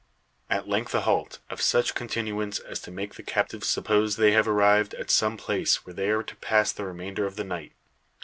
At length a halt; of such continuance, as to make the captives suppose they have arrived at some place where they are to pass the remainder of the night.